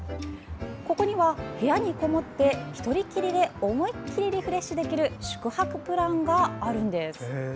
ここには部屋にこもって１人きりで思いっきりリフレッシュできる宿泊プランがあるんです。